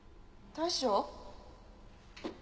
大将！？